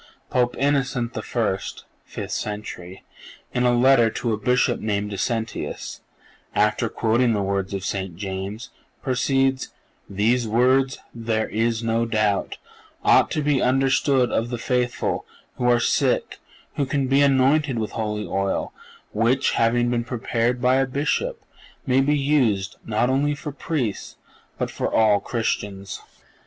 "(485) Pope Innocent I. (fifth century), in a letter to a Bishop named Decentius, after quoting the words of St. James, proceeds: "These words, there is no doubt, ought to be understood of the faithful who are sick, who can be anointed with the holy oil, which, having been prepared by a Bishop, may be used, not only for Priests, but for all Christians."